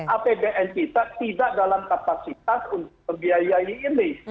apbn kita tidak dalam kapasitas untuk membiayai ini